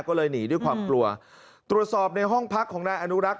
ก็เลยหนีด้วยความกลัวตรวจสอบในห้องพักของนายอนุรักษ